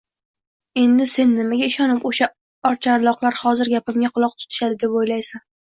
Endi sen nimaga ishonib o‘sha oqcharloqlar hozir gapimga quloq tutishadi, deb o‘ylaysan?